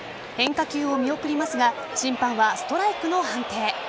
変化球を見送りますが審判はストライクの判定。